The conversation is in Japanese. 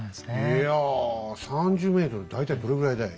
いや３０ｍ大体どれぐらいだい？